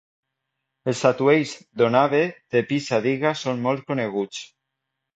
Els atuells "donabe" de pisa d'Iga són molt coneguts.